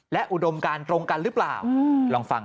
และอุดมการตรงกันหรือเปล่าลองฟัง